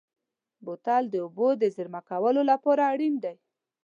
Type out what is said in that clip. بوتل د اوبو د زېرمه کولو لپاره اړین دی.